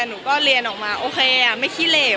หนูก็เรียนออกมาโอเคไม่ขี้เหลว